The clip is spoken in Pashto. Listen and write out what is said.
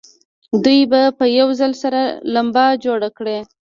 دوی به په یوه ځل سره لمبه جوړه کړي.